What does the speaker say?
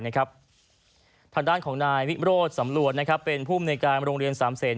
ทางด้านของนายวิโรธสำรวจเป็นผู้มนุยการโรงเรียนสามเศษ